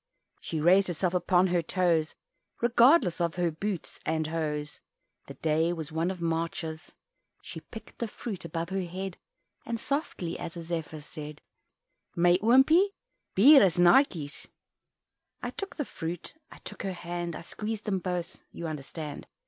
She raised herself upon her toes Regardless of her boots and hose (The day was one of March's), She picked the fruit above her head, And softly as a Zephyr said, "Mij oompie, bier is nartjes." I took the fruit, I took her hand I squeezed them both you understand?